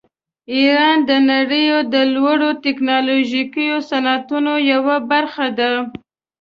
ایران د نړۍ د لوړو ټیکنالوژیکو صنعتونو یوه برخه ده.